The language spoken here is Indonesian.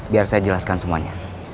biar saya jelaskan semuanya